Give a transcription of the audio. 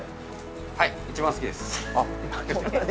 はい。